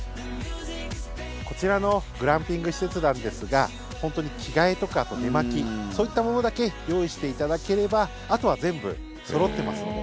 こちらのグランピング施設なんですが着替えとか、寝巻きそういったものだけ用意していただければあとは全部そろってますので。